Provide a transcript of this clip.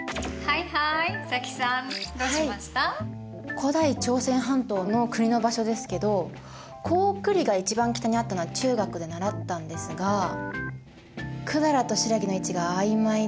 古代朝鮮半島の国の場所ですけど高句麗が一番北にあったのは中学で習ったんですが百済と新羅の位置があいまいで。